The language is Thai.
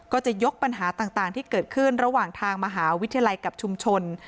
ก็จะยกปัญหาต่างที่เกิดขึ้นระหว่างทางมหาวิทยาลัยกับชุมชน